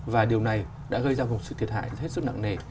và điều này đã gây ra một sự thiệt hại hết sức nặng nề